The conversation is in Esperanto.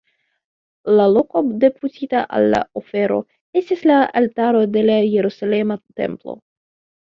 La loko deputita al la ofero estis la altaro de la Jerusalema templo.